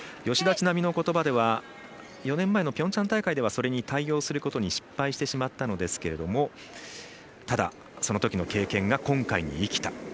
吉田知那美のことばでは４年前のピョンチャン大会ではそれに対応することに失敗してしまったんですけどもただ、そのときの経験が今回に生きた。